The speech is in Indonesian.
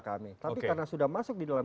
kami tapi karena sudah masuk di dalam